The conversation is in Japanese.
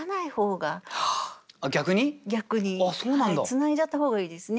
繋いじゃった方がいいですね。